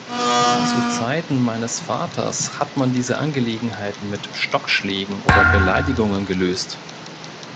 Zu Zeiten meines Vaters hat man diese Angelegenheiten mit Stockschlägen oder Beleidigungen gelöst.